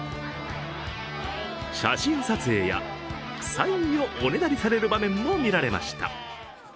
写真撮影やサインをおねだりされる場面も見られました。